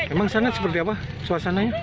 emang sangat seperti apa suasananya